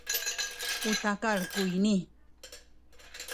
u takal kuyni